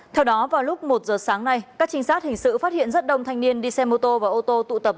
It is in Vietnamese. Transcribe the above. theo đó vào lúc một giờ sáng nay các trinh sát hình sự phát hiện rất đông thanh niên đi xe mô tô và ô tô tụ tập